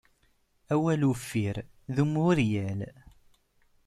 Awal uffir d Muiriel.